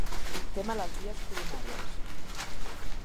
Té malalties coronàries.